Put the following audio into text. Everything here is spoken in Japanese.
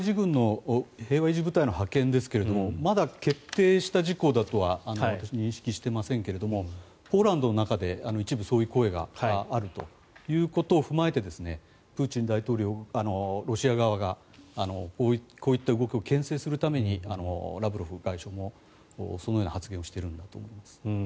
平和維持部隊の派遣ですけれどもまだ決定した事項だとは私、認識していませんがポーランドの中で一部そういう声があるということを踏まえてプーチン大統領、ロシア側がこういった動きをけん制するためにラブロフ外相もそのような発言をしているんだと思います。